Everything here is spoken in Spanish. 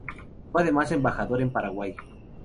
Fue además embajador en Paraguay.